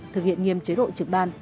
thực hiện nghiêm chế độ trực ban